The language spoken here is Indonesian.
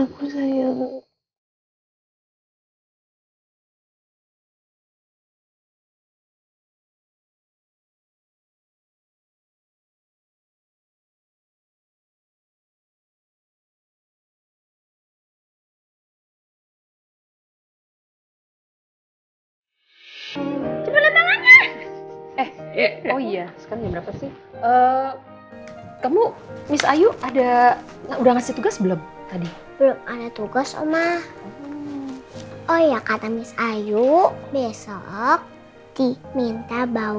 cantik gak kamar kita